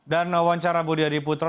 dan wawancara budi adiputo